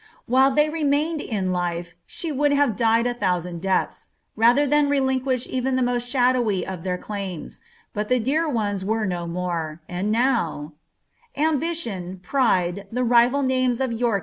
While they remained in life, tine would have died a lliousand deaths, rolher Itian relinquish even tll« t^oM shadowy of their claims ; but the dear ones were no more, and ■<■ Ambition, pride, llie rival namci I Wiiii n!!